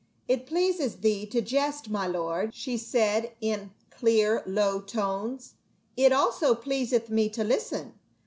" It pleases thee to jest, my lord," she said in clear low tones. " It also pleaseth me to listen.